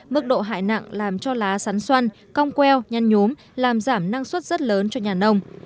mức độ hại nặng làm cho lá sắn xoăn cong queo nhăn nhốm làm giảm năng suất rất lớn cho nhà nông